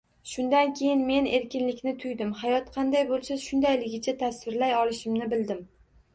Shundan keyin men erkinlikni tuydim, hayot qanday bo‘lsa, shundayligicha tasvirlay olishimni bildim